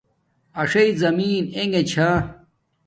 اݽݵ زمین انݣے چھا